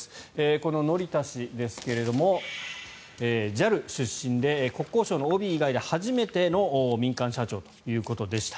この乗田氏ですがＪＡＬ出身で国交省のＯＢ以外で初めての民間社長ということでした。